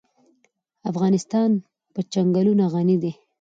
افغانستان په چنګلونه غني دی.